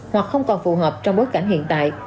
hoặc không còn phù hợp trong bối cảnh hiện tại